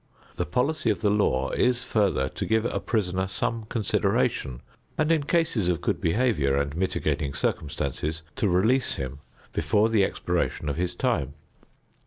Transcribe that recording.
The policy of the law is further to give a prisoner some consideration and in cases of good behavior and mitigating circumstances to release him before the expiration of his time.